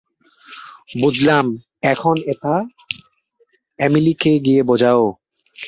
বুঝলাম, এখন এটা অ্যামিলিকে গিয়ে বোঝাও।